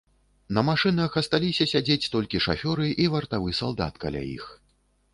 На машынах асталіся сядзець толькі шафёры і вартавы салдат каля іх.